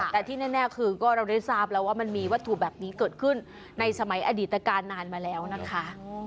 แต่ที่แน่คือก็เราได้ทราบแล้วว่ามันมีวัตถุแบบนี้เกิดขึ้นในสมัยอดีตการนานมาแล้วนะคะ